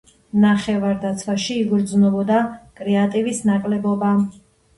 ნახევარდაცვაში იგრძნობოდა კრეატივის ნაკლებობა.